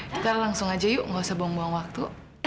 kita langsung aja yuk gak usah buang buang waktu